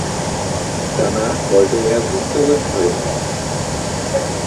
Danach wolle er sie zurückbringen.